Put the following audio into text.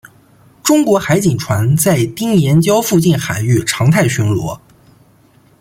中国海警船在丁岩礁附近海域常态巡逻。